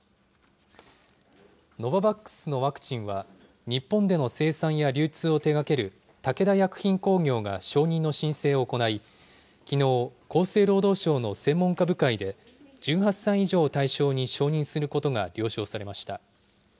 ノババックスのワクチンは、日本での生産や流通を手がける武田薬品工業が承認の申請を行い、きのう、厚生労働省の専門家部会で、１８歳以上を対象に承認することが了承されました。